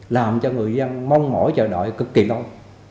làm cho người dân mong mỏi chờ đợi cực kỳ lâu